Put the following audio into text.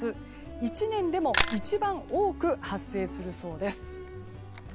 １年でも一番多く発生するそうです。